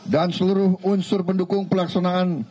dan seluruh unsur pendukung pelaksanaan